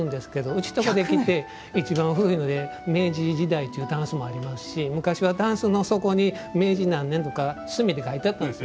うちのところで来ていちばん古いので明治時代というたんすもありますし昔はたんすの底に明治何年とか隅に書いてあったんです。